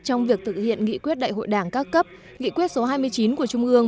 trong việc thực hiện nghị quyết đại hội đảng các cấp nghị quyết số hai mươi chín của trung ương